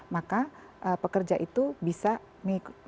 maka pekerja itu bisa mengikuti